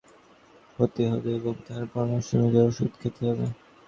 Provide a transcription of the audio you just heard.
প্রয়োজনে চিকিৎসকের শরণাপন্ন হতে হবে এবং তাঁর পরামর্শ অনুযায়ী ওষুধ খেতে হবে।